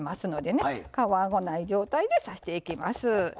皮がない状態で刺していきます。